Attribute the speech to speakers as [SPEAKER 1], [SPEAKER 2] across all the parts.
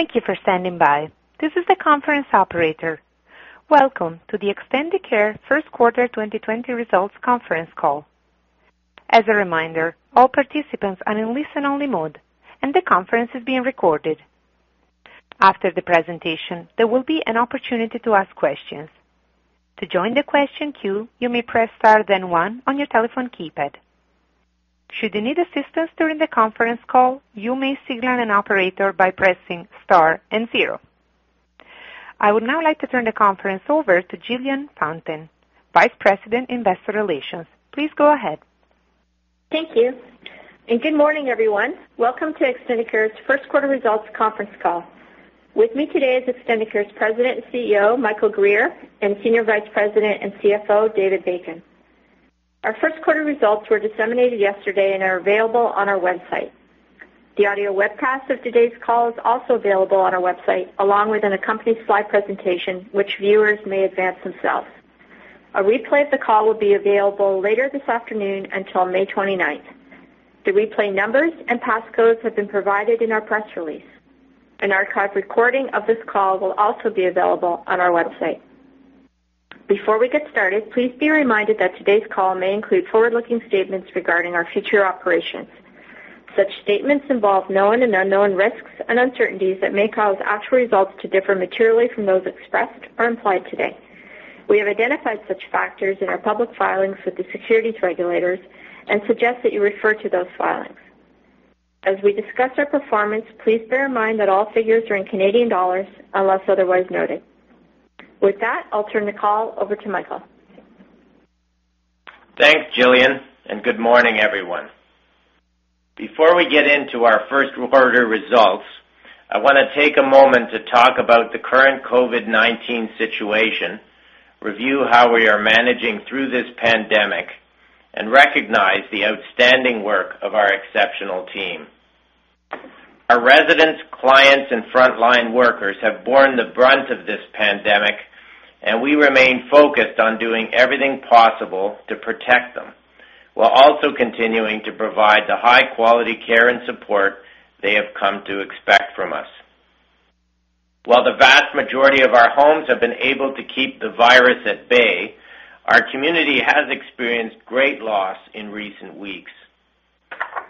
[SPEAKER 1] Thank you for standing by. This is the conference operator. Welcome to the Extendicare First Quarter 2020 Results Conference Call. As a reminder, all participants are in listen-only mode, and the conference is being recorded. After the presentation, there will be an opportunity to ask questions. To join the question queue, you may press star then one on your telephone keypad. Should you need assistance during the conference call, you may signal an operator by pressing star and zero. I would now like to turn the conference over to Jillian Fountain, Vice President, Investor Relations. Please go ahead.
[SPEAKER 2] Thank you. Good morning, everyone. Welcome to Extendicare's first quarter results conference call. With me today is Extendicare's President and CEO, Michael Guerriere, and Senior Vice President and CFO, David Bacon. Our first quarter results were disseminated yesterday and are available on our website. The audio webcast of today's call is also available on our website, along with an accompanying slide presentation, which viewers may advance themselves. A replay of the call will be available later this afternoon until May 29th. The replay numbers and passcodes have been provided in our press release. An archived recording of this call will also be available on our website. Before we get started, please be reminded that today's call may include forward-looking statements regarding our future operations. Such statements involve known and unknown risks and uncertainties that may cause actual results to differ materially from those expressed or implied today. We have identified such factors in our public filings with the securities regulators and suggest that you refer to those filings. As we discuss our performance, please bear in mind that all figures are in Canadian dollars, unless otherwise noted. With that, I'll turn the call over to Michael.
[SPEAKER 3] Thanks, Jillian, and good morning, everyone. Before we get into our first quarter results, I want to take a moment to talk about the current COVID-19 situation, review how we are managing through this pandemic, and recognize the outstanding work of our exceptional team. Our residents, clients, and frontline workers have borne the brunt of this pandemic, and we remain focused on doing everything possible to protect them, while also continuing to provide the high-quality care and support they have come to expect from us. While the vast majority of our homes have been able to keep the virus at bay, our community has experienced great loss in recent weeks.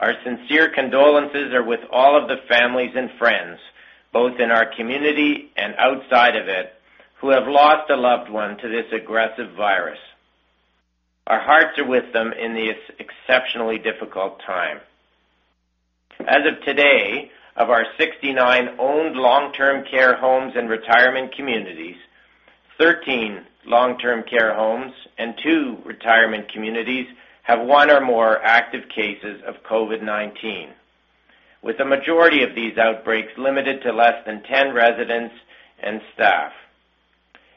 [SPEAKER 3] Our sincere condolences are with all of the families and friends, both in our community and outside of it, who have lost a loved one to this aggressive virus. Our hearts are with them in this exceptionally difficult time. As of today, of our 69 owned long-term care homes and retirement communities, 13 long-term care homes and two retirement communities have one or more active cases of COVID-19, with the majority of these outbreaks limited to less than 10 residents and staff.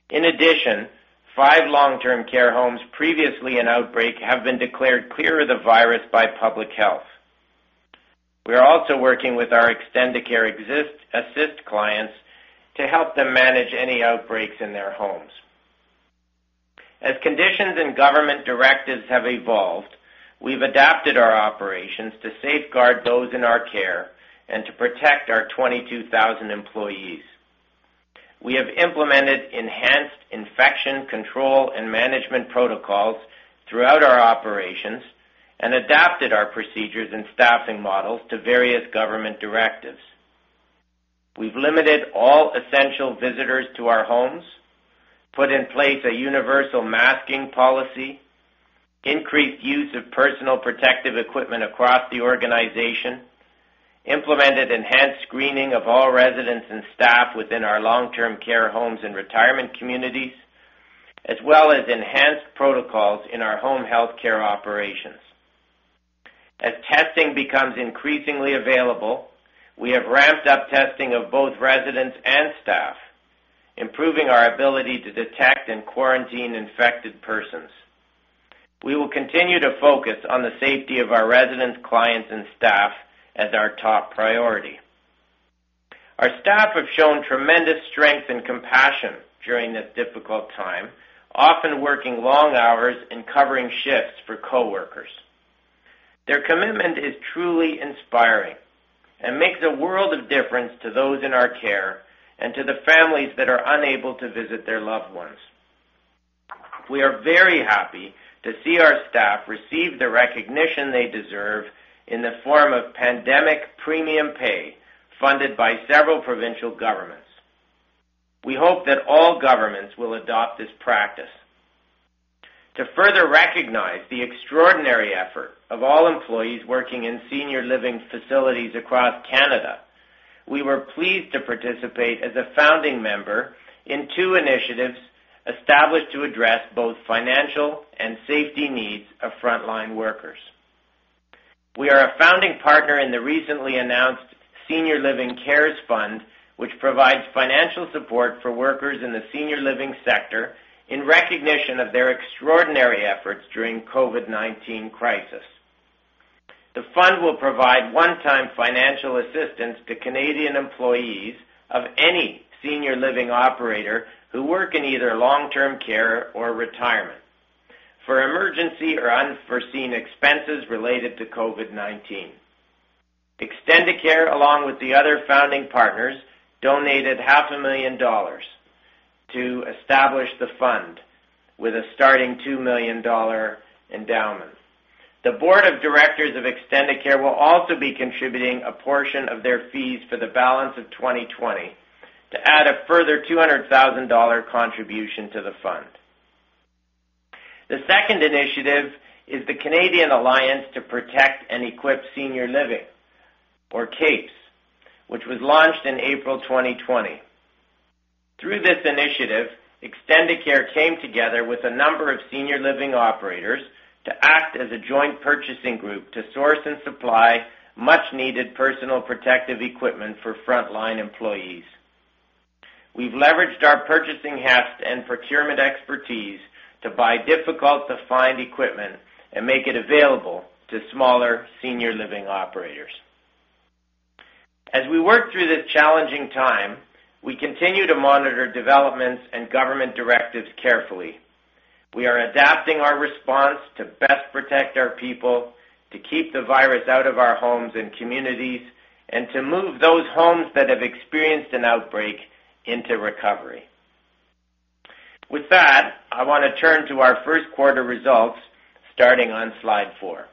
[SPEAKER 3] In addition, five long-term care homes previously in outbreak have been declared clear of the virus by public health. We are also working with our Extendicare Assist clients to help them manage any outbreaks in their homes. As conditions and government directives have evolved, we've adapted our operations to safeguard those in our care and to protect our 22,000 employees. We have implemented enhanced infection control and management protocols throughout our operations and adapted our procedures and staffing models to various government directives. We've limited all essential visitors to our homes, put in place a universal masking policy, increased use of personal protective equipment across the organization, implemented enhanced screening of all residents and staff within our long-term care homes and retirement communities, as well as enhanced protocols in our home health care operations. As testing becomes increasingly available, we have ramped up testing of both residents and staff, improving our ability to detect and quarantine infected persons. We will continue to focus on the safety of our residents, clients, and staff as our top priority. Our staff have shown tremendous strength and compassion during this difficult time, often working long hours and covering shifts for coworkers. Their commitment is truly inspiring and makes a world of difference to those in our care and to the families that are unable to visit their loved ones. We are very happy to see our staff receive the recognition they deserve in the form of pandemic premium pay funded by several provincial governments. We hope that all governments will adopt this practice. To further recognize the extraordinary effort of all employees working in senior living facilities across Canada, we were pleased to participate as a founding member in two initiatives established to address both financial and safety needs of frontline workers. We are a founding partner in the recently announced Senior Living CaRES Fund, which provides financial support for workers in the senior living sector in recognition of their extraordinary efforts during COVID-19 crisis. The fund will provide one-time financial assistance to Canadian employees of any senior living operator who work in either long-term care or retirement for emergency or unforeseen expenses related to COVID-19. Extendicare, along with the other founding partners, donated half a million dollars to establish the fund with a starting 2 million dollar endowment. The board of directors of Extendicare will also be contributing a portion of their fees for the balance of 2020 to add a further 200,000 dollar contribution to the fund. The second initiative is the Canadian Alliance to Protect and Equip Seniors Living, or CAPES, which was launched in April 2020. Through this initiative, Extendicare came together with a number of senior living operators to act as a joint purchasing group to source and supply much needed personal protective equipment for frontline employees. We've leveraged our purchasing heft and procurement expertise to buy difficult-to-find equipment and make it available to smaller senior living operators. As we work through this challenging time, we continue to monitor developments and government directives carefully. We are adapting our response to best protect our people, to keep the virus out of our homes and communities, and to move those homes that have experienced an outbreak into recovery. With that, I want to turn to our first quarter results, starting on slide four.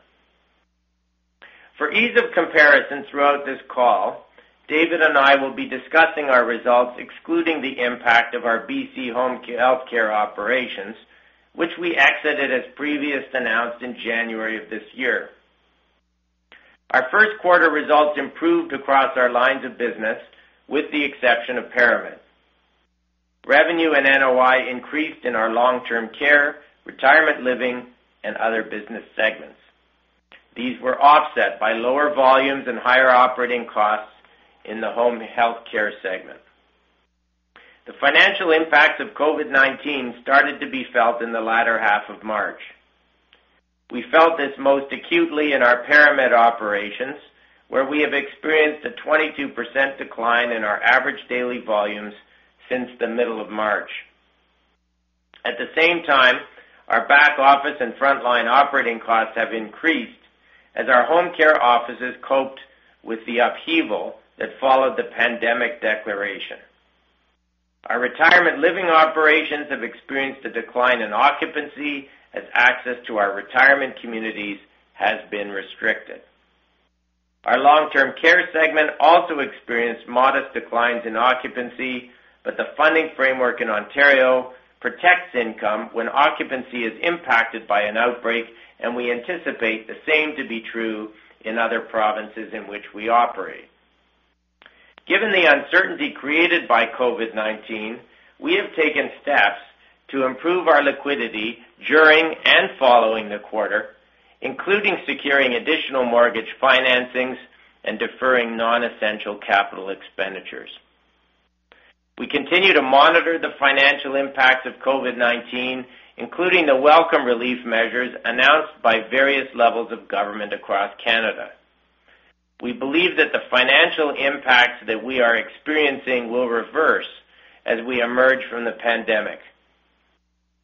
[SPEAKER 3] For ease of comparison throughout this call, David and I will be discussing our results, excluding the impact of our B.C. home health care operations, which we exited as previously announced in January of this year. Our first quarter results improved across our lines of business, with the exception of ParaMed. Revenue and NOI increased in our long-term care, retirement living, and other business segments. These were offset by lower volumes and higher operating costs in the home health care segment. The financial impact of COVID-19 started to be felt in the latter half of March. We felt this most acutely in our ParaMed operations, where we have experienced a 22.5% decline in our average daily volumes since the middle of March. At the same time, our back office and frontline operating costs have increased as our home care offices coped with the upheaval that followed the pandemic declaration. Our retirement living operations have experienced a decline in occupancy as access to our retirement communities has been restricted. Our long-term care segment also experienced modest declines in occupancy, but the funding framework in Ontario protects income when occupancy is impacted by an outbreak, and we anticipate the same to be true in other provinces in which we operate. Given the uncertainty created by COVID-19, we have taken steps to improve our liquidity during and following the quarter, including securing additional mortgage financings and deferring non-essential capital expenditures. We continue to monitor the financial impacts of COVID-19, including the welcome relief measures announced by various levels of government across Canada. We believe that the financial impacts that we are experiencing will reverse as we emerge from the pandemic.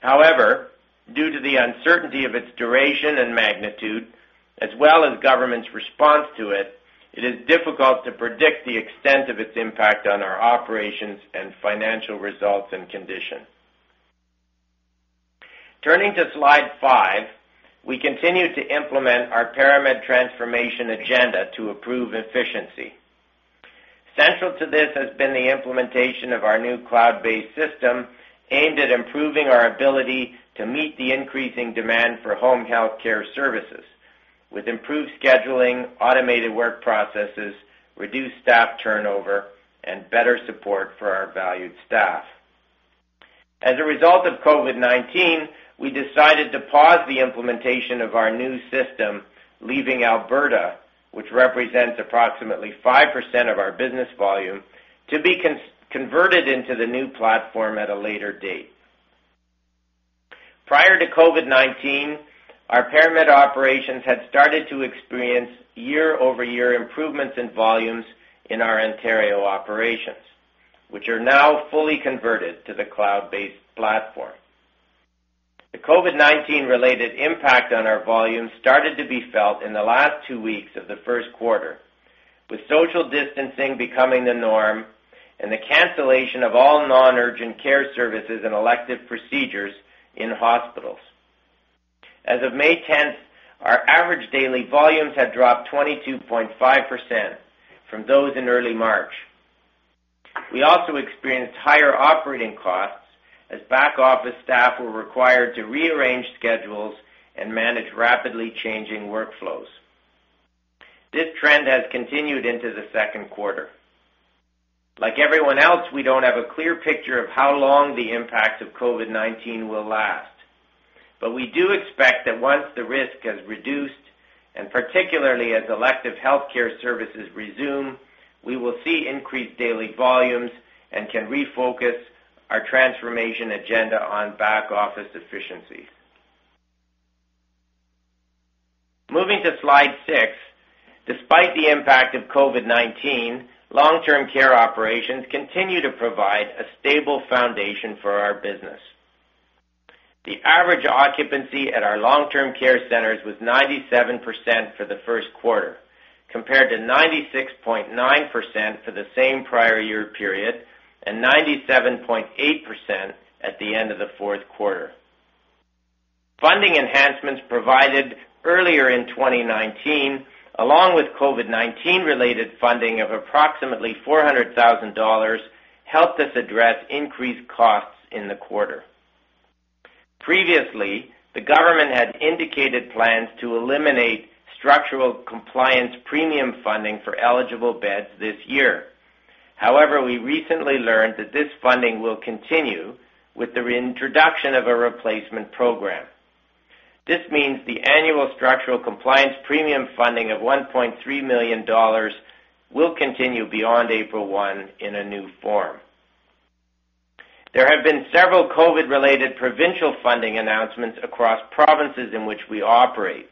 [SPEAKER 3] However, due to the uncertainty of its duration and magnitude, as well as government's response to it is difficult to predict the extent of its impact on our operations and financial results and condition. Turning to slide five, we continue to implement our ParaMed transformation agenda to improve efficiency. Central to this has been the implementation of our new cloud-based system aimed at improving our ability to meet the increasing demand for home health care services with improved scheduling, automated work processes, reduced staff turnover, and better support for our valued staff. As a result of COVID-19, we decided to pause the implementation of our new system, leaving Alberta, which represents approximately 5% of our business volume, to be converted into the new platform at a later date. Prior to COVID-19, our ParaMed operations had started to experience year-over-year improvements in volumes in our Ontario operations, which are now fully converted to the cloud-based platform. The COVID-19 related impact on our volumes started to be felt in the last two weeks of the first quarter, with social distancing becoming the norm and the cancellation of all non-urgent care services and elective procedures in hospitals. As of May 10th, our average daily volumes had dropped 22.5% from those in early March. We also experienced higher operating costs as back office staff were required to rearrange schedules and manage rapidly changing workflows. This trend has continued into the second quarter. Like everyone else, we don't have a clear picture of how long the impact of COVID-19 will last. We do expect that once the risk has reduced, and particularly as elective health care services resume, we will see increased daily volumes and can refocus our transformation agenda on back office efficiency. Moving to slide six, despite the impact of COVID-19, long-term care operations continue to provide a stable foundation for our business. The average occupancy at our long-term care centers was 97% for the first quarter, compared to 96.9% for the same prior year period and 97.8% at the end of the fourth quarter. Funding enhancements provided earlier in 2019, along with COVID-19 related funding of approximately 400,000 dollars, helped us address increased costs in the quarter. Previously, the government had indicated plans to eliminate Structural Compliance Premium funding for eligible beds this year. However, we recently learned that this funding will continue with the reintroduction of a replacement program. This means the annual Structural Compliance Premium funding of 1.3 million dollars will continue beyond April one in a new form. There have been several COVID-19-related provincial funding announcements across provinces in which we operate.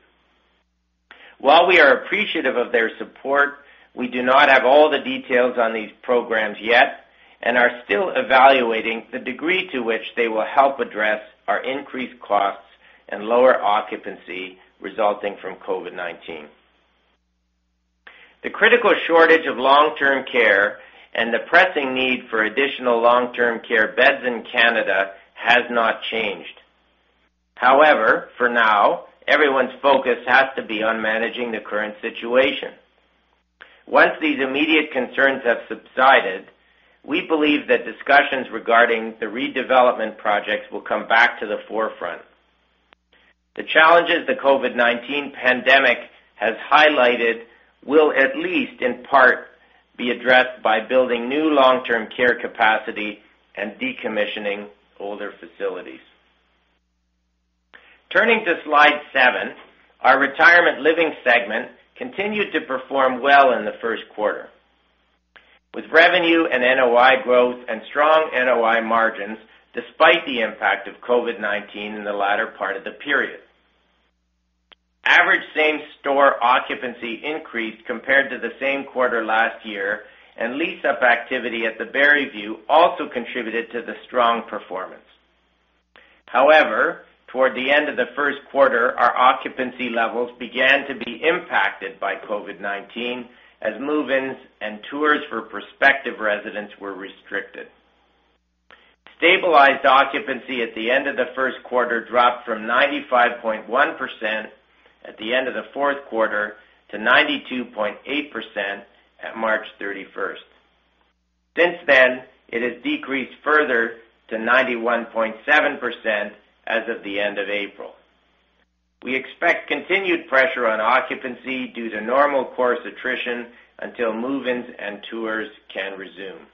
[SPEAKER 3] While we are appreciative of their support, we do not have all the details on these programs yet, and are still evaluating the degree to which they will help address our increased costs and lower occupancy resulting from COVID-19. The critical shortage of long-term care and the pressing need for additional long-term care beds in Canada has not changed. However, for now, everyone's focus has to be on managing the current situation. Once these immediate concerns have subsided, we believe that discussions regarding the redevelopment projects will come back to the forefront. The challenges the COVID-19 pandemic has highlighted will, at least in part, be addressed by building new long-term care capacity and decommissioning older facilities. Turning to slide seven, our retirement living segment continued to perform well in the first quarter, with revenue and NOI growth and strong NOI margins, despite the impact of COVID-19 in the latter part of the period. Average same-store occupancy increased compared to the same quarter last year, and lease-up activity at the Bayview also contributed to the strong performance. Toward the end of the first quarter, our occupancy levels began to be impacted by COVID-19 as move-ins and tours for prospective residents were restricted. Stabilized occupancy at the end of the first quarter dropped from 95.1% at the end of the fourth quarter to 92.8% at March 31st. Since then, it has decreased further to 91.7% as of the end of April. We expect continued pressure on occupancy due to normal course attrition until move-ins and tours can resume.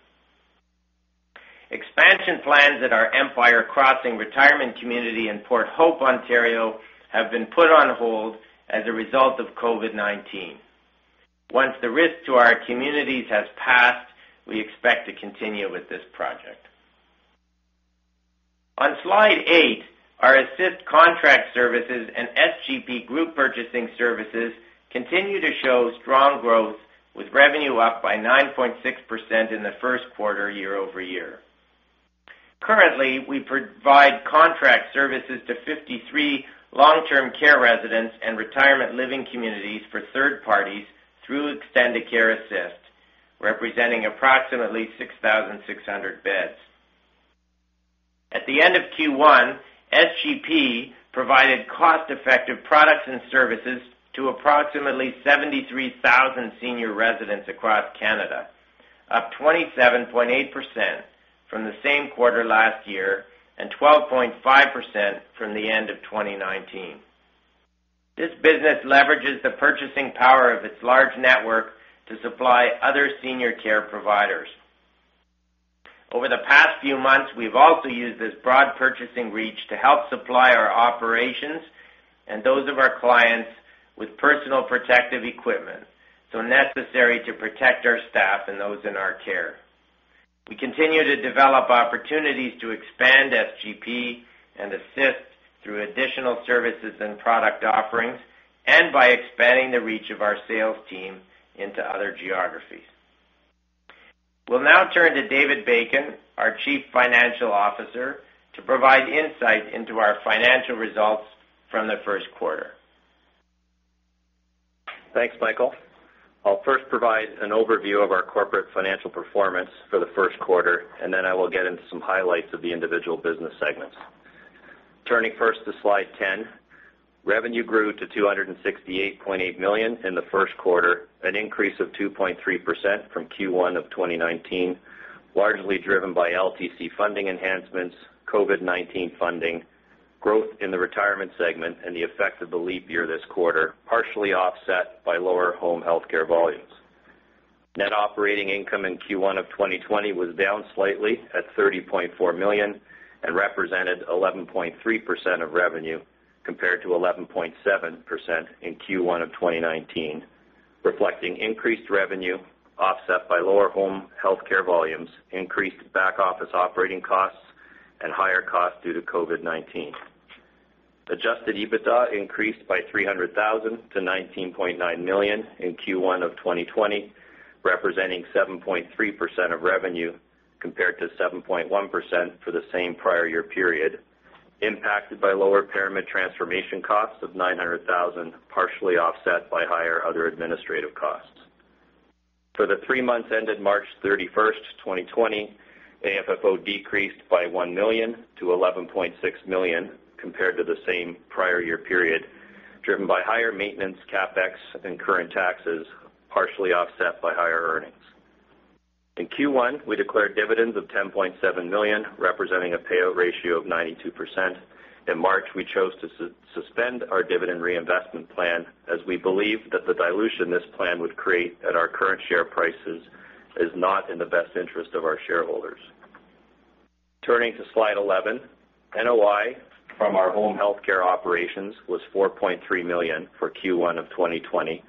[SPEAKER 3] Expansion plans at our Empire Crossing Retirement Community in Port Hope, Ontario, have been put on hold as a result of COVID-19. Once the risk to our communities has passed, we expect to continue with this project. On slide eight, our Assist Contract Services and SGP Group Purchasing services continue to show strong growth, with revenue up by 9.6% in the first quarter year-over-year. Currently, we provide contract services to 53 long-term care residences and retirement living communities for third parties through Extendicare Assist, representing approximately 6,600 beds. At the end of Q1, SGP provided cost-effective products and services to approximately 73,000 senior residents across Canada, up 27.8% from the same quarter last year and 12.5% from the end of 2019. This business leverages the purchasing power of its large network to supply other senior care providers. Over the past few months, we've also used this broad purchasing reach to help supply our operations and those of our clients with personal protective equipment, so necessary to protect our staff and those in our care. We continue to develop opportunities to expand SGP and Assist through additional services and product offerings and by expanding the reach of our sales team into other geographies. We'll now turn to David Bacon, our Chief Financial Officer, to provide insight into our financial results from the first quarter.
[SPEAKER 4] Thanks, Michael. I'll first provide an overview of our corporate financial performance for the first quarter, and then I will get into some highlights of the individual business segments. Turning first to slide 10, revenue grew to 268.8 million in the first quarter, an increase of 2.3% from Q1 of 2019, largely driven by LTC funding enhancements, COVID-19 funding, growth in the retirement segment, and the effect of the leap year this quarter, partially offset by lower home health care volumes. Net operating income in Q1 of 2020 was down slightly at 30.4 million and represented 11.3% of revenue, compared to 11.7% in Q1 of 2019, reflecting increased revenue offset by lower home health care volumes, increased back-office operating costs, and higher costs due to COVID-19. Adjusted EBITDA increased by 300,000 to 19.9 million in Q1 2020, representing 7.3% of revenue, compared to 7.1% for the same prior year period, impacted by lower ParaMed transformation costs of 900,000, partially offset by higher other administrative costs. For the three months ended March 31, 2020, AFFO decreased by 1 million to 11.6 million compared to the same prior year period, driven by higher maintenance CapEx and current taxes, partially offset by higher earnings. In Q1, we declared dividends of 10.7 million, representing a payout ratio of 92%. In March, we chose to suspend our dividend reinvestment plan, as we believe that the dilution this plan would create at our current share prices is not in the best interest of our shareholders. Turning to slide 11, NOI from our home health care operations was 4.3 million for Q1 of 2020,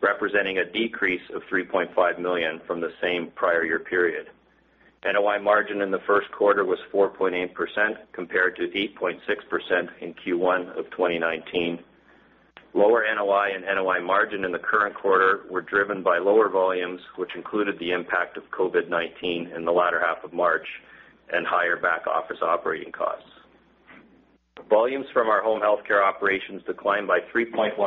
[SPEAKER 4] representing a decrease of 3.5 million from the same prior year period. NOI margin in the first quarter was 4.8%, compared to 8.6% in Q1 of 2019. Lower NOI and NOI margin in the current quarter were driven by lower volumes, which included the impact of COVID-19 in the latter half of March and higher back office operating costs. Volumes from our home health care operations declined by 3.1%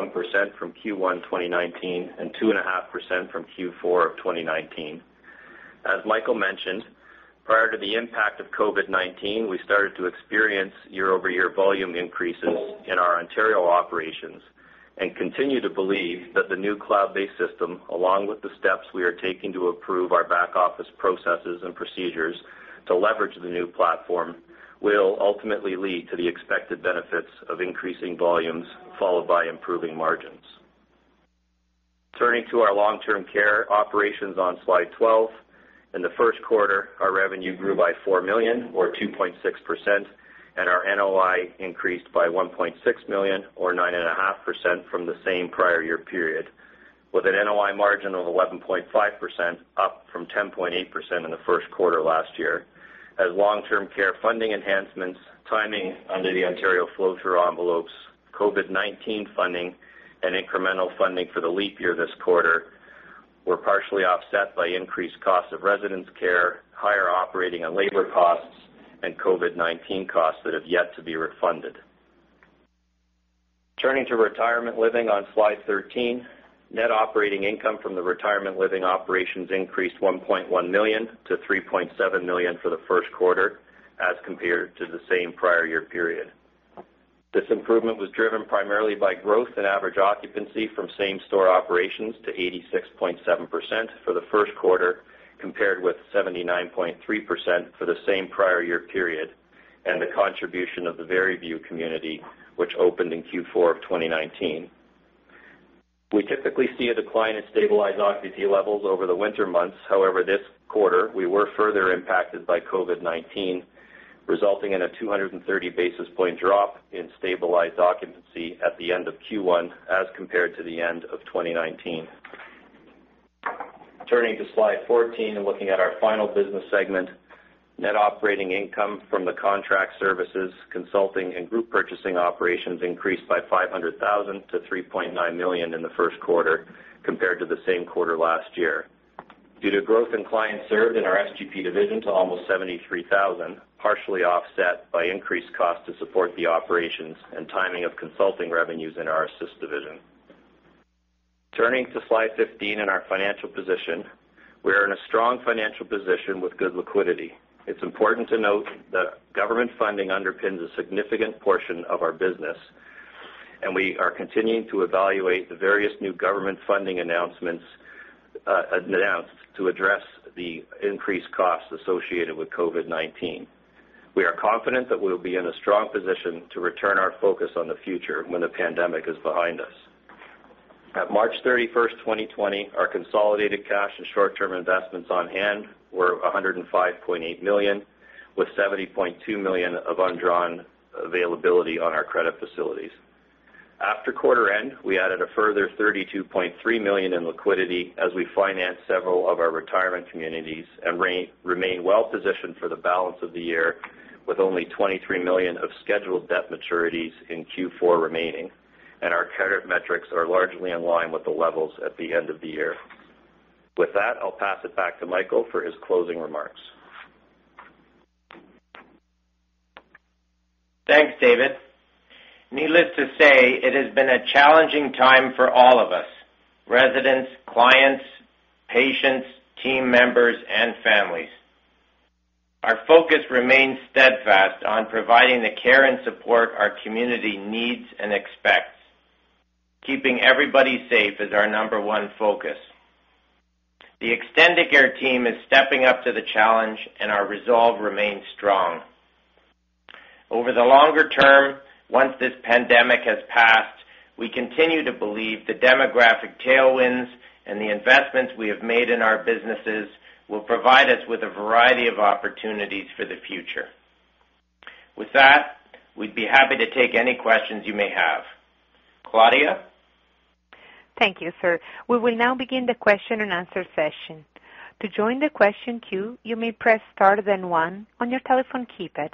[SPEAKER 4] from Q1 2019, and 2.5% from Q4 of 2019. As Michael mentioned, prior to the impact of COVID-19, we started to experience year-over-year volume increases in our Ontario operations and continue to believe that the new cloud-based system, along with the steps we are taking to improve our back office processes and procedures to leverage the new platform, will ultimately lead to the expected benefits of increasing volumes, followed by improving margins. Turning to our long-term care operations on slide 12. In the first quarter, our revenue grew by 4 million or 2.6%, and our NOI increased by 1.6 million or 9.5% from the same prior year period, with an NOI margin of 11.5% up from 10.8% in the first quarter last year. Long-term care funding enhancements timing under the Ontario flow-through envelopes, COVID-19 funding, and incremental funding for the leap year this quarter were partially offset by increased costs of resident care, higher operating and labor costs, and COVID-19 costs that have yet to be refunded. Turning to Retirement Living on slide 13. Net operating income from the Retirement Living operations increased 1.1 million to 3.7 million for the first quarter as compared to the same prior year period. This improvement was driven primarily by growth in average occupancy from same store operations to 86.7% for the first quarter, compared with 79.3% for the same prior year period, and the contribution of the Bayview community, which opened in Q4 of 2019. We typically see a decline in stabilized occupancy levels over the winter months. However, this quarter, we were further impacted by COVID-19, resulting in a 230 basis point drop in stabilized occupancy at the end of Q1 as compared to the end of 2019. Turning to slide 14 and looking at our final business segment. Net operating income from the contract services, consulting and group purchasing operations increased by 500,000 to 3.9 million in the first quarter compared to the same quarter last year. Due to growth in clients served in our SGP division to almost 73,000, partially offset by increased cost to support the operations and timing of consulting revenues in our Assist division. Turning to slide 15 and our financial position. We are in a strong financial position with good liquidity. It's important to note that government funding underpins a significant portion of our business, and we are continuing to evaluate the various new government funding announcements to address the increased costs associated with COVID-19. We are confident that we'll be in a strong position to return our focus on the future when the pandemic is behind us. At March 31st, 2020, our consolidated cash and short-term investments on hand were 105.8 million, with 70.2 million of undrawn availability on our credit facilities. After quarter end, we added a further 32.3 million in liquidity as we financed several of our retirement communities and remain well-positioned for the balance of the year, with only 23 million of scheduled debt maturities in Q4 remaining, and our credit metrics are largely in line with the levels at the end of the year. With that, I'll pass it back to Michael for his closing remarks.
[SPEAKER 3] Thanks, David. Needless to say, it has been a challenging time for all of us, residents, clients, patients, team members, and families. Our focus remains steadfast on providing the care and support our community needs and expects. Keeping everybody safe is our number one focus. The Extendicare team is stepping up to the challenge, and our resolve remains strong. Over the longer term, once this pandemic has passed, we continue to believe the demographic tailwinds and the investments we have made in our businesses will provide us with a variety of opportunities for the future. With that, we'd be happy to take any questions you may have. Claudia?
[SPEAKER 1] Thank you, sir. We will now begin the question and answer session. To join the question queue, you may press star then one on your telephone keypad.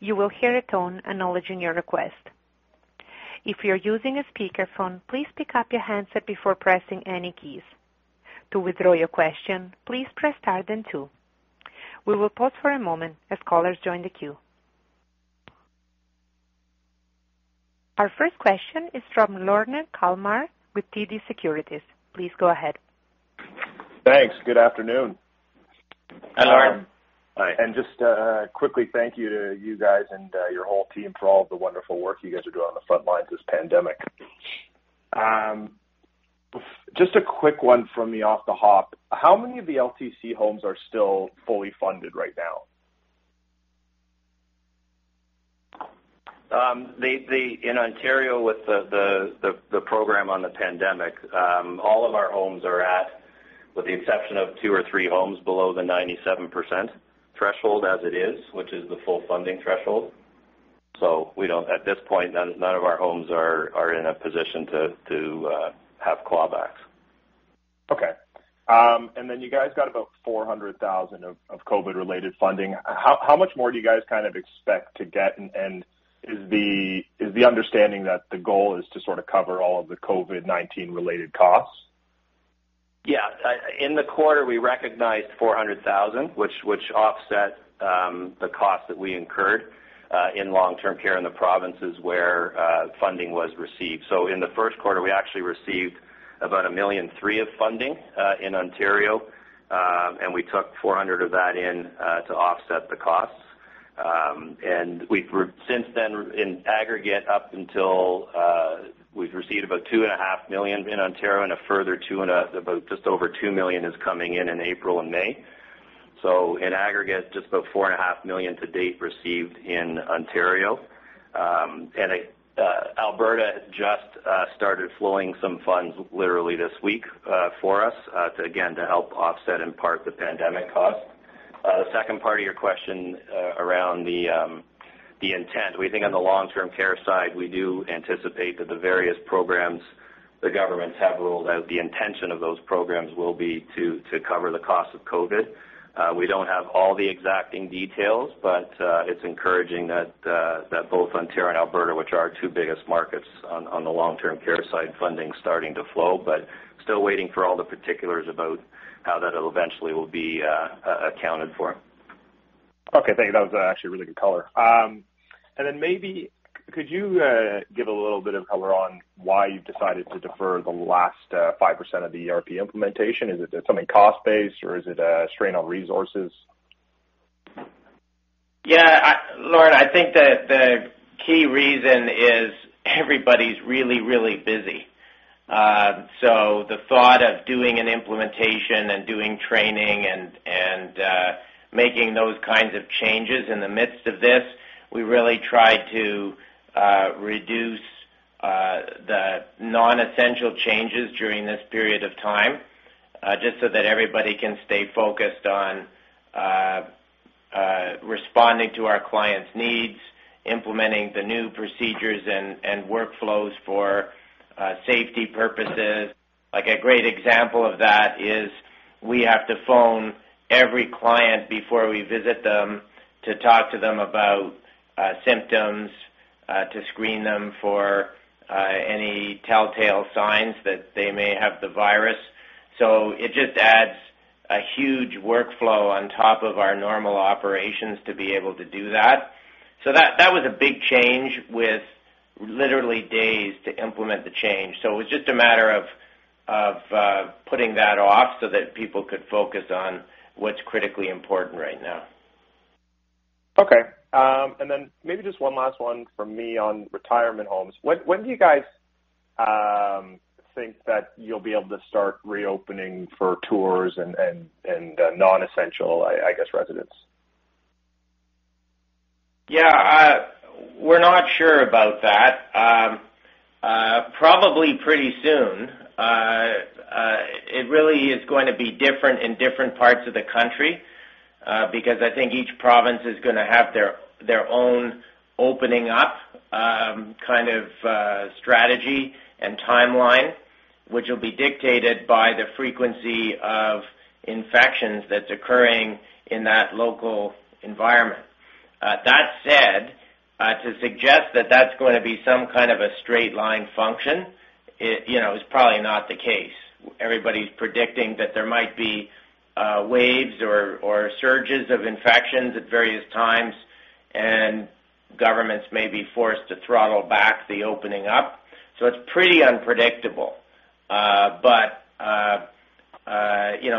[SPEAKER 1] You will hear a tone acknowledging your request. If you're using a speakerphone, please pick up your handset before pressing any keys. To withdraw your question, please press star then two. We will pause for a moment as callers join the queue. Our first question is from Lorne Kalmar with TD Securities. Please go ahead.
[SPEAKER 5] Thanks. Good afternoon.
[SPEAKER 3] Hi, Lorne.
[SPEAKER 5] Hi, just quickly, thank you to you guys and your whole team for all of the wonderful work you guys are doing on the front lines of this pandemic. Just a quick one from me off the hop. How many of the LTC homes are still fully funded right now?
[SPEAKER 4] In Ontario, with the program on the pandemic, all of our homes are at, with the exception of two or three homes below the 97% threshold as it is, which is the full funding threshold. At this point, none of our homes are in a position to have clawbacks.
[SPEAKER 5] Okay. You guys got about 400,000 of COVID-related funding. How much more do you guys expect to get, and is the understanding that the goal is to sort of cover all of the COVID-19 related costs?
[SPEAKER 4] Yeah. In the quarter, we recognized 400,000, which offset the cost that we incurred in long-term care in the provinces where funding was received. In the first quarter, we actually received about 1,300,000 of funding in Ontario. We took 400 of that in to offset the costs. Since then, in aggregate, up until, we've received about 2.5 million in Ontario, and a further just over 2 million is coming in in April and May. In aggregate, just about 4.5 million to date received in Ontario. Alberta just started flowing some funds literally this week, for us, again, to help offset in part the pandemic cost. The second part of your question, around the intent.
[SPEAKER 3] We think on the long-term care side, we do anticipate that the various programs the governments have ruled, the intention of those programs will be to cover the cost of COVID. We don't have all the exacting details. It's encouraging that both Ontario and Alberta, which are our two biggest markets on the long-term care side, funding's starting to flow, still waiting for all the particulars about how that eventually will be accounted for.
[SPEAKER 5] Okay, thank you. That was actually a really good color. Then maybe, could you give a little bit of color on why you decided to defer the last 5% of the ERP implementation? Is it something cost-based or is it a strain on resources?
[SPEAKER 3] Yeah. Lorne, I think that the key reason is everybody's really, really busy. The thought of doing an implementation and doing training and making those kinds of changes in the midst of this, we really try to reduce the non-essential changes during this period of time, just so that everybody can stay focused on responding to our clients' needs, implementing the new procedures and workflows for safety purposes. A great example of that is we have to phone every client before we visit them to talk to them about symptoms, to screen them for any telltale signs that they may have the virus. It just adds a huge workflow on top of our normal operations to be able to do that. That was a big change with literally days to implement the change.
[SPEAKER 4] It was just a matter of putting that off so that people could focus on what's critically important right now.
[SPEAKER 5] Okay. Maybe just one last one from me on retirement homes. When do you guys think that you'll be able to start reopening for tours and non-essential, I guess, residents?
[SPEAKER 3] Yeah. We're not sure about that. Probably pretty soon. It really is going to be different in different parts of the country, because I think each province is going to have their own opening up strategy and timeline, which will be dictated by the frequency of infections that's occurring in that local environment. That said, to suggest that that's going to be some kind of a straight line function is probably not the case. Everybody's predicting that there might be waves or surges of infections at various times, and governments may be forced to throttle back the opening up. It's pretty unpredictable.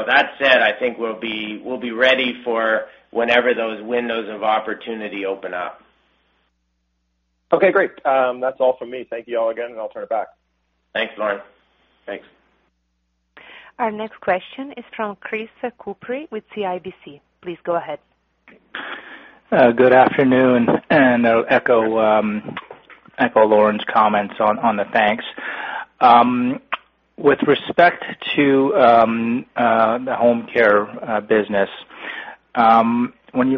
[SPEAKER 3] That said, I think we'll be ready for whenever those windows of opportunity open up.
[SPEAKER 5] Okay, great. That's all from me. Thank you all again, and I'll turn it back.
[SPEAKER 3] Thanks, Lorne.
[SPEAKER 5] Thanks.
[SPEAKER 1] Our next question is from Chris Couprie with CIBC. Please go ahead.
[SPEAKER 6] Good afternoon, and I'll echo Lorne's comments on the thanks. With respect to the home care business, I'm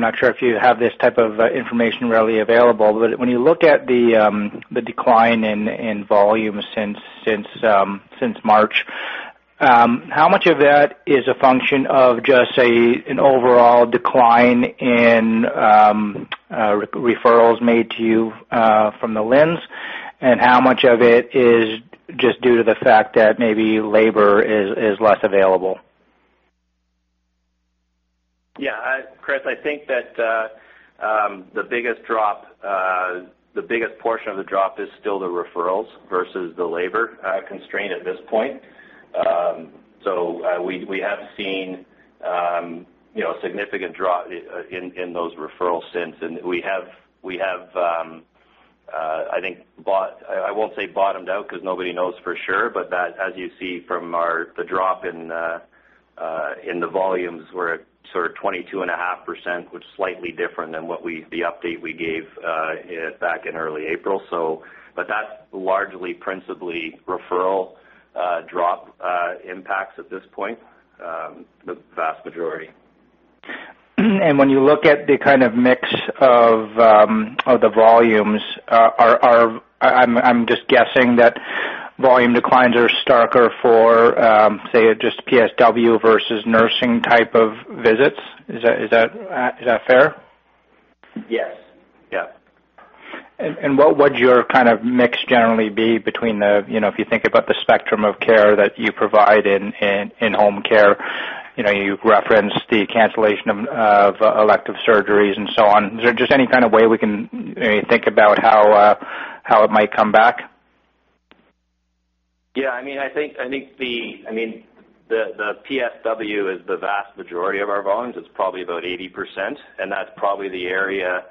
[SPEAKER 6] not sure if you have this type of information readily available, but when you look at the decline in volume since March, how much of that is a function of just, say, an overall decline in referrals made to you from the LHIN, and how much of it is just due to the fact that maybe labor is less available?
[SPEAKER 3] Yeah. Chris Couprie, I think that the biggest portion of the drop is still the referrals versus the labor constraint at this point. We have seen a significant drop in those referrals since. We have, I think, I won't say bottomed out because nobody knows for sure, but that as you see from the drop in the volumes, we're at sort of 22.5%, which is slightly different than the update we gave back in early April. That's largely principally referral drop impacts at this point, the vast majority.
[SPEAKER 6] When you look at the kind of mix of the volumes, I'm just guessing that volume declines are starker for, say, just PSW versus nursing type of visits. Is that fair?
[SPEAKER 3] Yes.
[SPEAKER 6] What would your kind of mix generally be between the, if you think about the spectrum of care that you provide in home care, you've referenced the cancellation of elective surgeries and so on. Is there just any kind of way we can think about how it might come back?
[SPEAKER 3] I think the PSW is the vast majority of our volumes. It's probably about 80%, and that's probably the area,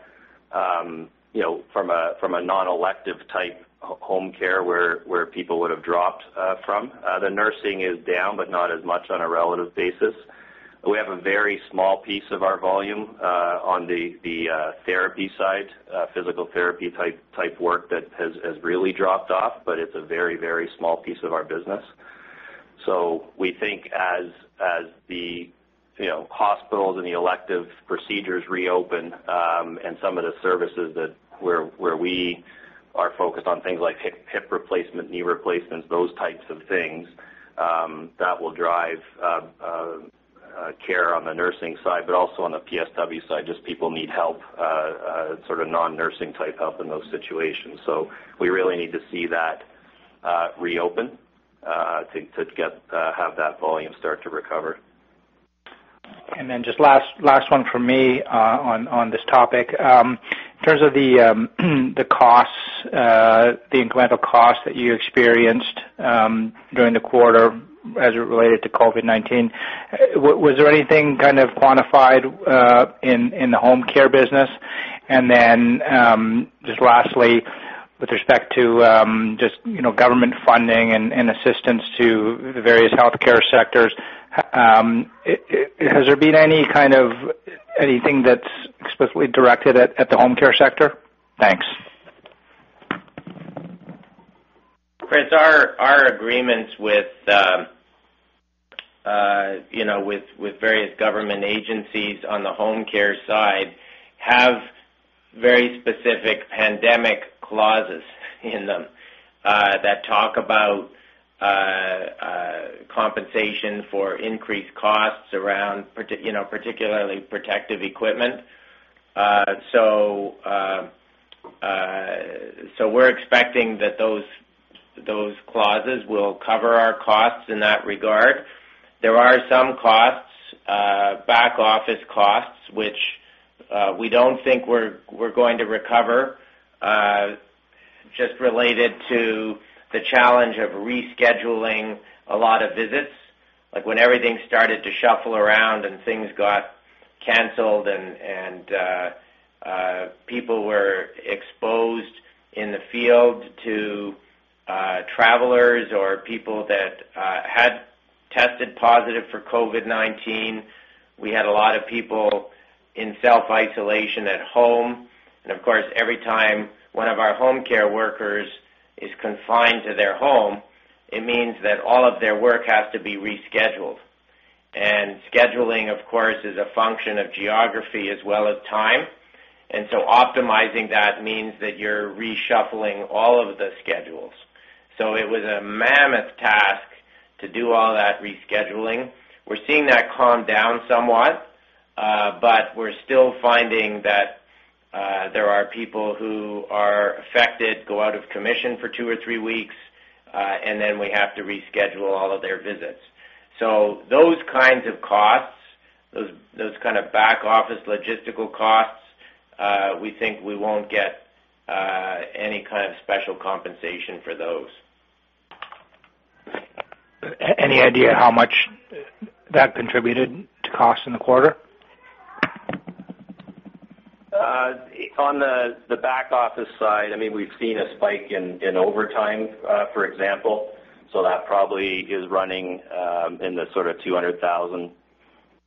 [SPEAKER 3] from a non-elective type home care, where people would have dropped from. The nursing is down, but not as much on a relative basis. We have a very small piece of our volume on the therapy side, physical therapy type work that has really dropped off, but it's a very small piece of our business. We think as the hospitals and the elective procedures reopen, and some of the services where we are focused on things like hip replacement, knee replacements, those types of things, that will drive care on the nursing side, but also on the PSW side, just people need help, sort of non-nursing type help in those situations. We really need to see that reopen to have that volume start to recover.
[SPEAKER 6] Just last one from me on this topic. In terms of the incremental costs that you experienced during the quarter as it related to COVID-19, was there anything kind of quantified in the home care business? Just lastly, with respect to just government funding and assistance to the various healthcare sectors, has there been anything that's explicitly directed at the home care sector? Thanks.
[SPEAKER 3] Chris, our agreements with various government agencies on the home care side have very specific pandemic clauses in them that talk about compensation for increased costs around particularly protective equipment. We're expecting that those clauses will cover our costs in that regard. There are some back-office costs, which we don't think we're going to recover, just related to the challenge of rescheduling a lot of visits. Like when everything started to shuffle around and things got canceled and people were exposed in the field to travelers or people that had tested positive for COVID-19. We had a lot of people in self-isolation at home. Of course, every time one of our home care workers is confined to their home, it means that all of their work has to be rescheduled. Scheduling, of course, is a function of geography as well as time. Optimizing that means that you're reshuffling all of the schedules. It was a mammoth task to do all that rescheduling. We're seeing that calm down somewhat. We're still finding that there are people who are affected, go out of commission for two or three weeks, and then we have to reschedule all of their visits. Those kinds of costs, those kind of back-office logistical costs, we think we won't get any kind of special compensation for those.
[SPEAKER 6] Any idea how much that contributed to cost in the quarter?
[SPEAKER 3] On the back-office side, we've seen a spike in overtime, for example. That probably is running in the sort of 200,000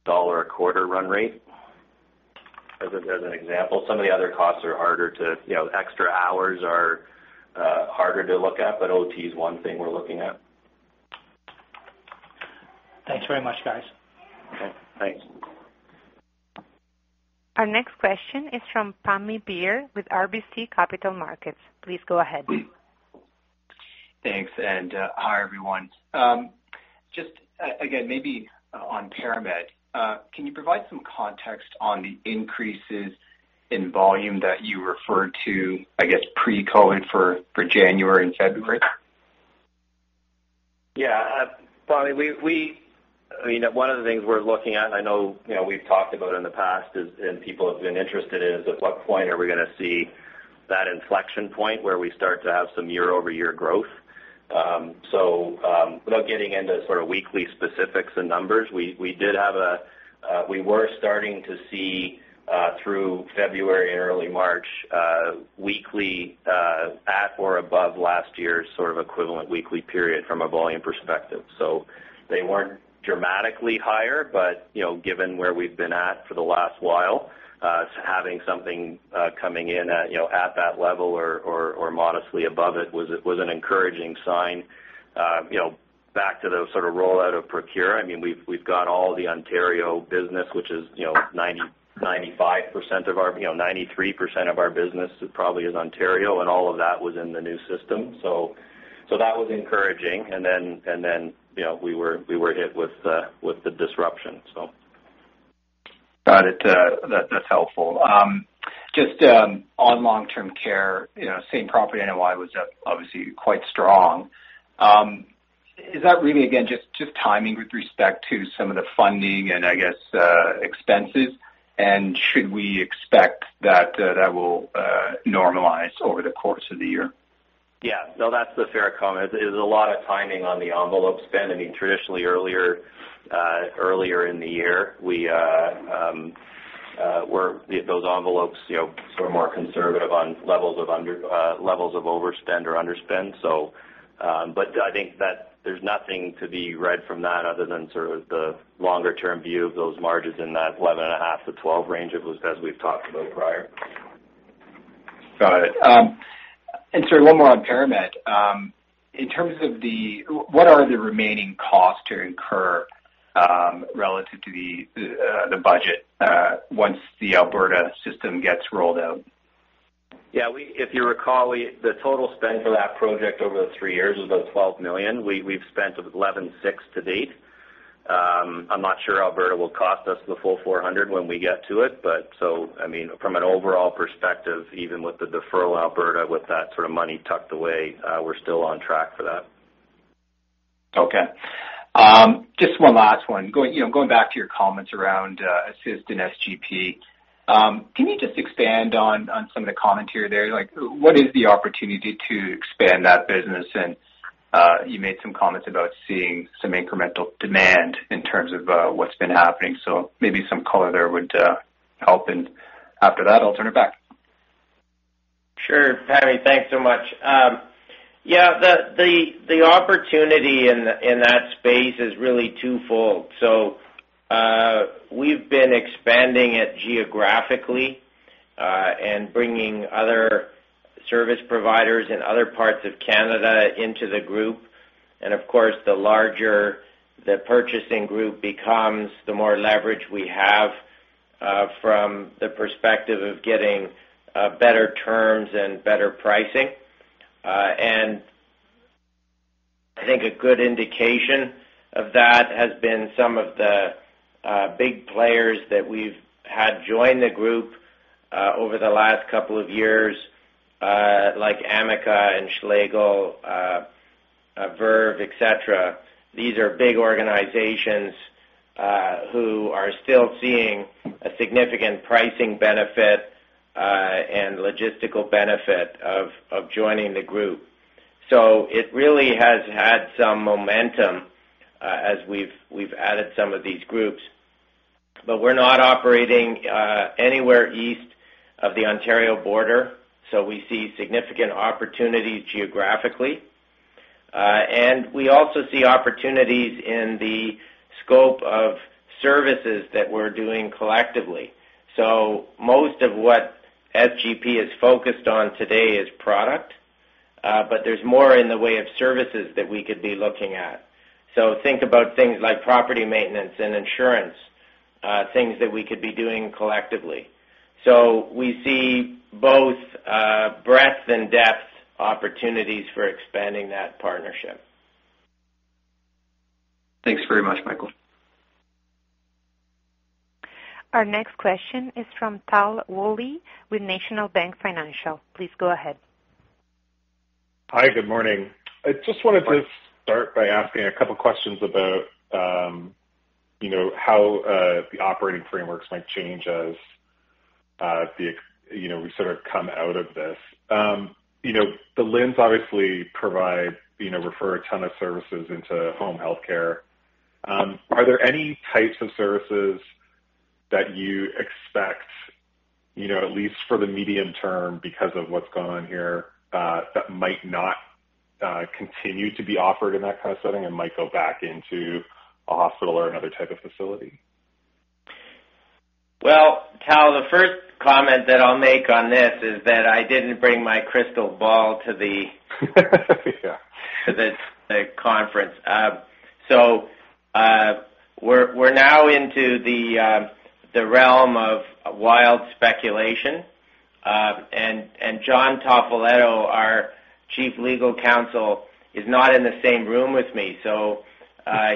[SPEAKER 3] dollar a quarter run rate. As an example, Extra hours are harder to look at, but OT is one thing we're looking at.
[SPEAKER 6] Thanks very much, guys.
[SPEAKER 3] Okay, thanks.
[SPEAKER 1] Our next question is from Pammi Bir with RBC Capital Markets. Please go ahead.
[SPEAKER 7] Thanks, and hi, everyone. Just, again, maybe on ParaMed. Can you provide some context on the increases in volume that you referred to, I guess, pre-COVID for January and February?
[SPEAKER 4] Yeah. Pammi, one of the things we're looking at, and I know we've talked about in the past, and people have been interested in, is at what point are we going to see that inflection point where we start to have some year-over-year growth. Without getting into sort of weekly specifics and numbers, we were starting to see, through February and early March, weekly at or above last year's sort of equivalent weekly period from a volume perspective. They weren't dramatically higher, but given where we've been at for the last while, having something coming in at that level or modestly above it was an encouraging sign. Back to the sort of rollout of Procura, we've got all the Ontario business. 93% of our business probably is Ontario, and all of that was in the new system. That was encouraging, and then we were hit with the disruption.
[SPEAKER 7] Got it. That's helpful. Just on long-term care, same property NOI was obviously quite strong. Is that really, again, just timing with respect to some of the funding and, I guess, expenses? Should we expect that that will normalize over the course of the year?
[SPEAKER 4] Yeah. No, that's a fair comment. It is a lot of timing on the envelope spend. Traditionally, earlier in the year, those envelopes were more conservative on levels of overspend or underspend. I think that there's nothing to be read from that other than sort of the longer-term view of those margins in that 11.5%-12% range, as we've talked about prior.
[SPEAKER 7] Got it. Sorry, one more on ParaMed. What are the remaining costs to incur relative to the budget once the Alberta system gets rolled out?
[SPEAKER 4] Yeah. If you recall, the total spend for that project over the three years was about 12 million. We've spent 11.6 to date. I'm not sure Alberta will cost us the full 400 when we get to it. From an overall perspective, even with the deferral Alberta, with that sort of money tucked away, we're still on track for that.
[SPEAKER 7] Okay. Just one last one. Going back to your comments around Assist and SGP. Can you just expand on some of the commentary there? What is the opportunity to expand that business? You made some comments about seeing some incremental demand in terms of what's been happening, so maybe some color there would help. After that, I'll turn it back.
[SPEAKER 3] Sure, Pammi, thanks so much. Yeah, the opportunity in that space is really twofold. We've been expanding it geographically, and bringing other service providers in other parts of Canada into the group. Of course, the larger the purchasing group becomes, the more leverage we have from the perspective of getting better terms and better pricing. I think a good indication of that has been some of the big players that we've had join the group over the last couple of years, like Amica and Schlegel, Verve, et cetera. These are big organizations who are still seeing a significant pricing benefit and logistical benefit of joining the group. It really has had some momentum as we've added some of these groups. We're not operating anywhere east of the Ontario border, so we see significant opportunities geographically. We also see opportunities in the scope of services that we're doing collectively. Most of what SGP is focused on today is product. There's more in the way of services that we could be looking at. Think about things like property maintenance and insurance, things that we could be doing collectively. We see both breadth and depth opportunities for expanding that partnership.
[SPEAKER 7] Thanks very much, Michael.
[SPEAKER 1] Our next question is from Tal Woolley with National Bank Financial. Please go ahead.
[SPEAKER 8] Hi, good morning.
[SPEAKER 3] Good morning.
[SPEAKER 8] I just wanted to start by asking a couple questions about how the operating frameworks might change as we sort of come out of this. The LHINs obviously refer a ton of services into home health care. Are there any types of services that you expect, at least for the medium term, because of what's gone on here, that might not continue to be offered in that kind of setting and might go back into a hospital or another type of facility?
[SPEAKER 3] Well, Tal, the first comment that I'll make on this is that I didn't bring my crystal ball.
[SPEAKER 8] Yeah
[SPEAKER 3] to this conference. We're now into the realm of wild speculation. John Toffoletto, our Chief Legal Officer, is not in the same room with me, so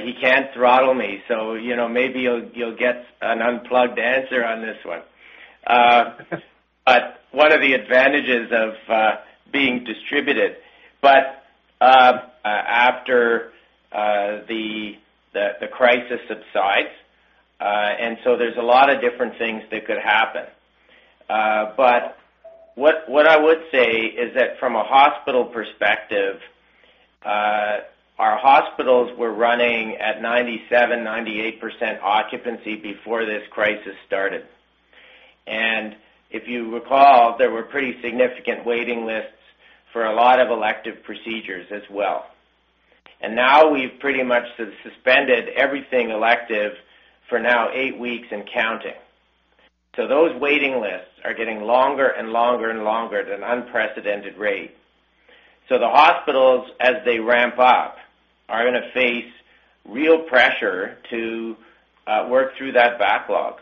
[SPEAKER 3] he can't throttle me. Maybe you'll get an unplugged answer on this one. One of the advantages of being distributed. After the crisis subsides, there's a lot of different things that could happen. What I would say is that from a hospital perspective, our hospitals were running at 97%, 98% occupancy before this crisis started. If you recall, there were pretty significant waiting lists for a lot of elective procedures as well. Now we've pretty much suspended everything elective for now eight weeks and counting. Those waiting lists are getting longer and longer at an unprecedented rate. The hospitals, as they ramp up, are going to face real pressure to work through that backlog.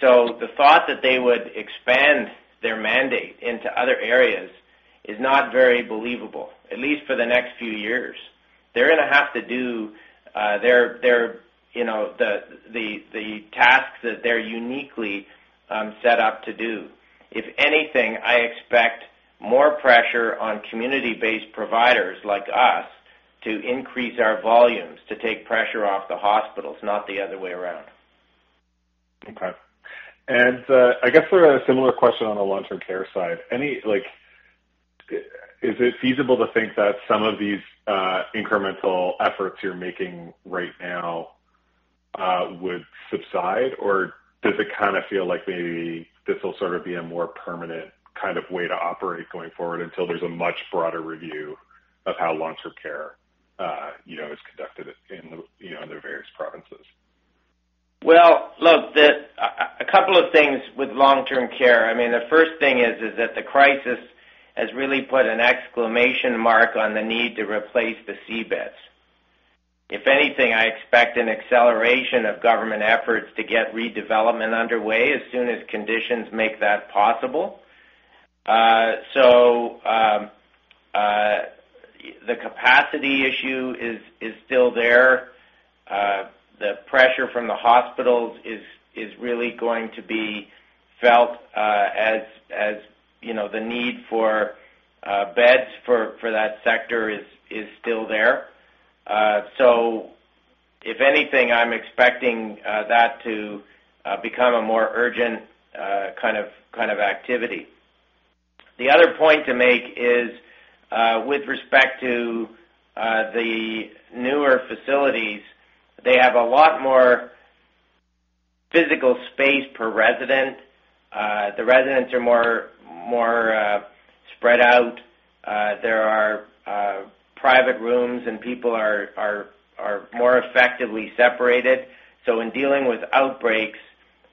[SPEAKER 3] The thought that they would expand their mandate into other areas is not very believable, at least for the next few years. They're going to have to do the tasks that they're uniquely set up to do. If anything, I expect more pressure on community-based providers like us to increase our volumes, to take pressure off the hospitals, not the other way around.
[SPEAKER 8] Okay. I guess for a similar question on the long-term care side. Is it feasible to think that some of these incremental efforts you're making right now, would subside? Does it kind of feel like maybe this will sort of be a more permanent kind of way to operate going forward until there's a much broader review of how long-term care is conducted under various provinces?
[SPEAKER 3] Well, look, a couple of things with long-term care. I mean, the first thing is that the crisis has really put an exclamation mark on the need to replace the C beds. If anything, I expect an acceleration of government efforts to get redevelopment underway as soon as conditions make that possible. The capacity issue is still there. The pressure from the hospitals is really going to be felt, as the need for beds for that sector is still there. If anything, I'm expecting that to become a more urgent kind of activity. The other point to make is, with respect to the newer facilities, they have a lot more physical space per resident. The residents are more spread out. There are private rooms and people are more effectively separated. In dealing with outbreaks,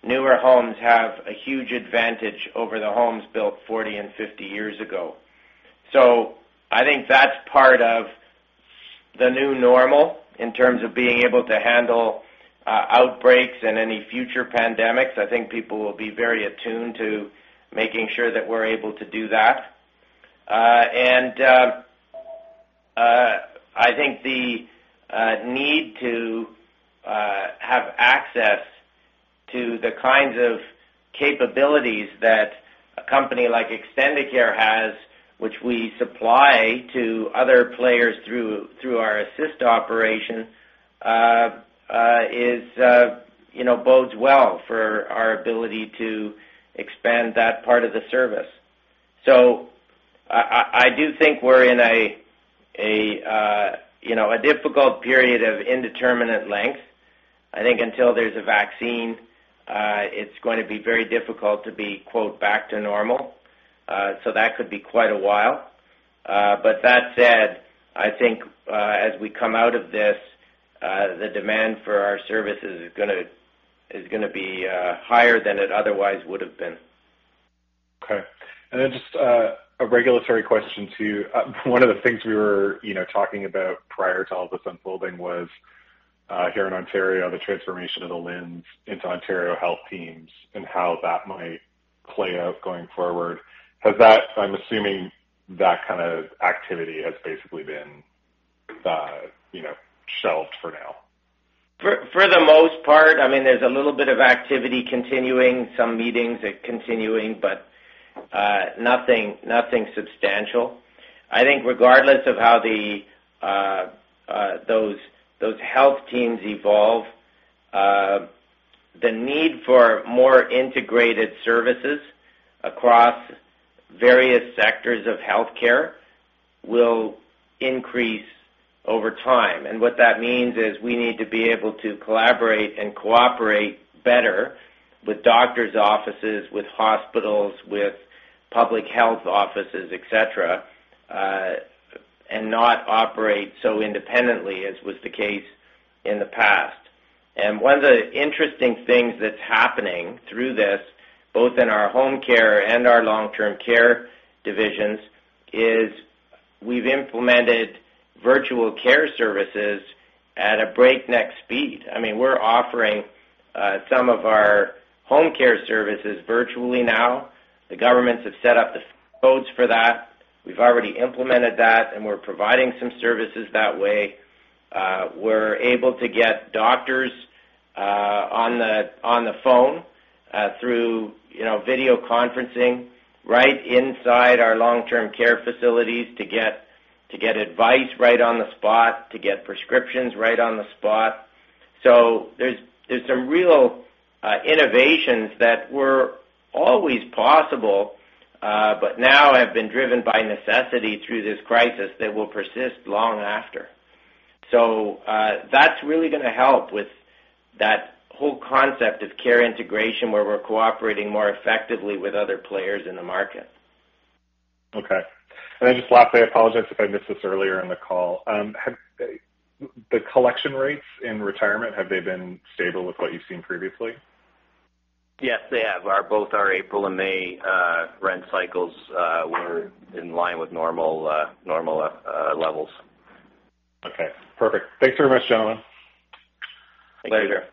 [SPEAKER 3] newer homes have a huge advantage over the homes built 40 and 50 years ago. I think that's part of the new normal in terms of being able to handle outbreaks and any future pandemics. I think people will be very attuned to making sure that we're able to do that. I think the need to have access to the kinds of capabilities that a company like Extendicare has, which we supply to other players through our Assist operation, bodes well for our ability to expand that part of the service. I do think we're in a difficult period of indeterminate length. I think until there's a vaccine, it's going to be very difficult to be, quote, back to normal. That could be quite a while. That said, I think, as we come out of this, the demand for our services is going to be higher than it otherwise would have been.
[SPEAKER 8] Okay. Just a regulatory question too. One of the things we were talking about prior to all this unfolding was, here in Ontario, the transformation of the LHIN into Ontario Health Teams and how that might play out going forward. I'm assuming that kind of activity has basically been shelved for now.
[SPEAKER 3] For the most part. There's a little bit of activity continuing, some meetings continuing, but nothing substantial. I think regardless of how those health teams evolve, the need for more integrated services across various sectors of health care will increase over time. What that means is we need to be able to collaborate and cooperate better with doctors' offices, with hospitals, with public health offices, et cetera, and not operate so independently as was the case in the past. One of the interesting things that's happening through this, both in our home care and our long-term care divisions, is we've implemented virtual care services at a breakneck speed. We're offering some of our home care services virtually now. The governments have set up the codes for that. We've already implemented that, and we're providing some services that way. We're able to get doctors on the phone through video conferencing right inside our long-term care facilities to get advice right on the spot, to get prescriptions right on the spot. There's some real innovations that were always possible, but now have been driven by necessity through this crisis that will persist long after. That's really going to help with that whole concept of care integration, where we're cooperating more effectively with other players in the market.
[SPEAKER 8] Okay. Then just lastly, I apologize if I missed this earlier in the call. The collection rates in retirement, have they been stable with what you've seen previously?
[SPEAKER 3] Yes, they have. Both our April and May rent cycles were in line with normal levels.
[SPEAKER 8] Okay, perfect. Thanks very much, gentlemen.
[SPEAKER 4] Thank you.
[SPEAKER 3] Later.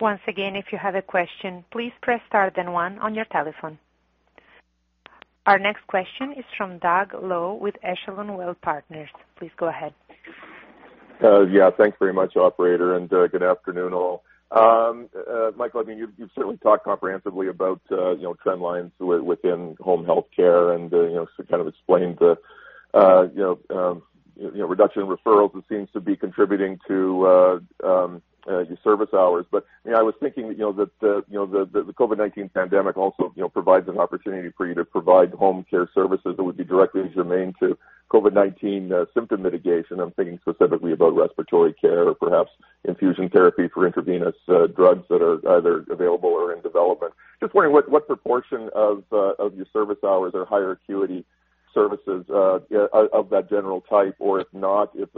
[SPEAKER 1] Once again, if you have a question, please press star then one on your telephone. Our next question is from Doug Loe with Echelon Wealth Partners. Please go ahead.
[SPEAKER 9] Yeah. Thanks very much, operator, and good afternoon, all. Michael, you've certainly talked comprehensively about trend lines within home health care and sort of explained the reduction in referrals that seems to be contributing to your service hours. I was thinking that the COVID-19 pandemic also provides an opportunity for you to provide home care services that would be directly germane to COVID-19 symptom mitigation. I'm thinking specifically about respiratory care or perhaps infusion therapy for intravenous drugs that are either available or in development. Just wondering what proportion of your service hours are higher acuity services of that general type, or if not, if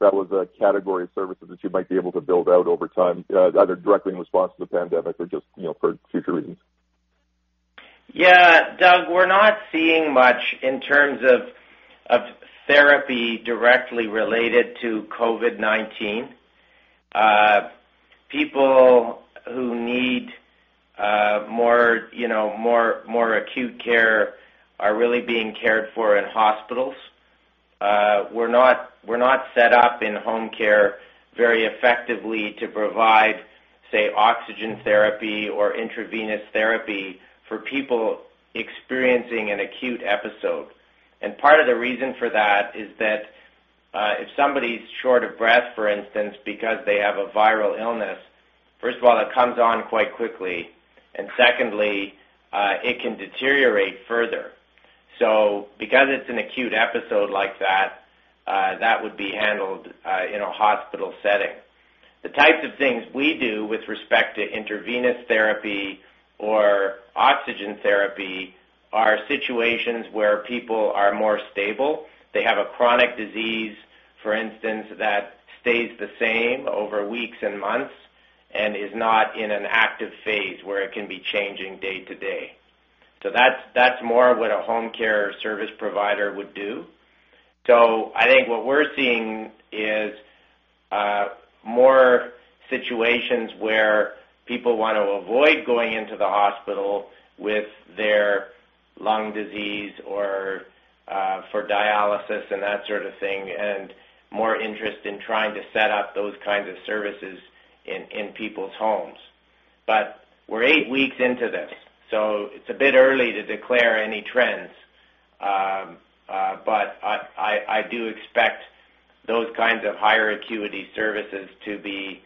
[SPEAKER 9] that was a category of services that you might be able to build out over time, either directly in response to the pandemic or just for future reasons.
[SPEAKER 3] Yeah, Doug, we're not seeing much in terms of therapy directly related to COVID-19. People who need more acute care are really being cared for in hospitals. We're not set up in home care very effectively to provide, say, oxygen therapy or intravenous therapy for people experiencing an acute episode. Part of the reason for that is that if somebody's short of breath, for instance, because they have a viral illness, first of all, it comes on quite quickly, and secondly, it can deteriorate further. Because it's an acute episode like that would be handled in a hospital setting. The types of things we do with respect to intravenous therapy or oxygen therapy are situations where people are more stable. They have a chronic disease, for instance, that stays the same over weeks and months and is not in an active phase where it can be changing day to day. That's more what a home care service provider would do. I think what we're seeing is more situations where people want to avoid going into the hospital with their lung disease or for dialysis and that sort of thing, and more interest in trying to set up those kinds of services in people's homes. We're eight weeks into this, so it's a bit early to declare any trends. I do expect those kinds of higher acuity services to be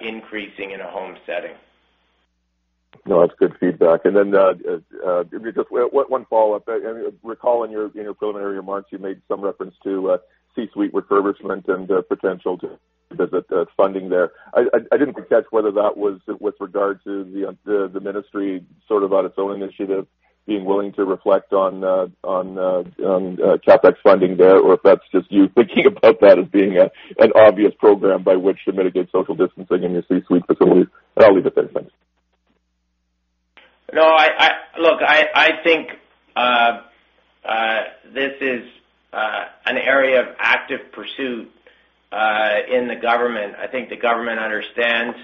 [SPEAKER 3] increasing in a home setting.
[SPEAKER 9] No, that's good feedback. Just one follow-up. In recalling your preliminary remarks, you made some reference to C-bed refurbishment and potential to visit funding there. I didn't catch whether that was with regard to the ministry sort of on its own initiative, being willing to reflect on CapEx funding there, or if that's just you thinking about that as being an obvious program by which to mitigate social distancing in your C-bed facilities, and I'll leave it there, thanks.
[SPEAKER 3] Look, I think this is an area of active pursuit in the government. I think the government understands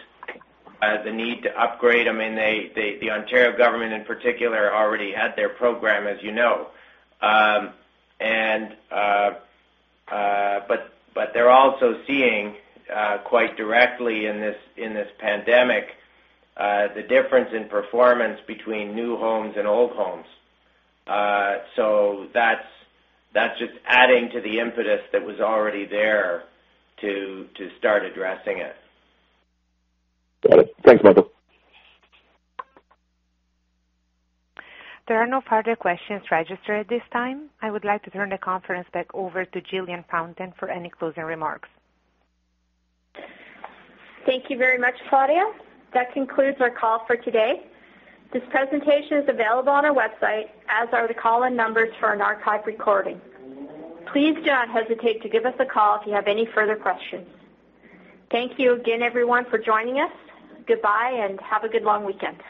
[SPEAKER 3] the need to upgrade them, and the Ontario government in particular, already had their program, as you know. They're also seeing quite directly in this pandemic, the difference in performance between new homes and old homes. That's just adding to the impetus that was already there to start addressing it.
[SPEAKER 9] Got it. Thanks, Michael.
[SPEAKER 1] There are no further questions registered at this time. I would like to turn the conference back over to Jillian Fountain for any closing remarks.
[SPEAKER 2] Thank you very much, Claudia. That concludes our call for today. This presentation is available on our website, as are the call-in numbers for an archive recording. Please do not hesitate to give us a call if you have any further questions. Thank you again, everyone, for joining us. Goodbye, and have a good long weekend.